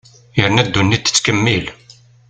Yerna ddunit tettkemmil.